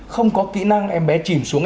không có kỹ năng em bé chìm xuống